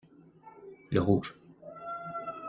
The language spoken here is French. Le rouge.